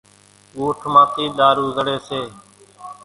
ڳوٺ مان ٿِي ۮارُو زڙِي ۿڳيَ سي۔